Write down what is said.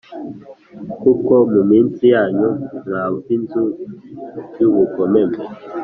Kuko mu minsi yanyu mwa ab inzu y ubugome mwe